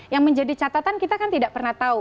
yang menjadi catatan kita kan tidak pernah tahu